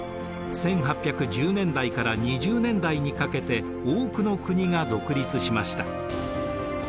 １８１０年代から２０年代にかけて多くの国が独立しました。